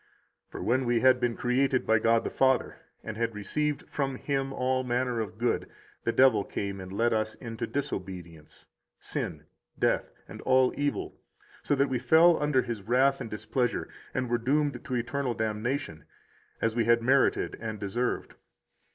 28 For when we had been created by God the Father, and had received from Him all manner of good, the devil came and led us into disobedience, sin, death, and all evil, so that we fell under His wrath and displeasure and were doomed to eternal damnation, as we had merited and deserved.